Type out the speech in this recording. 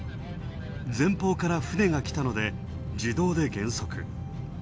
前方から船が来たので自動で減速。